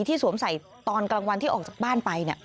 สวมใส่ตอนกลางวันที่ออกจากบ้านไป